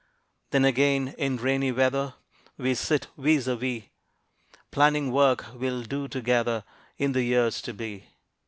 Then again, in rainy weather, We sit vis a vis, Planning work we'll do together In the years to be.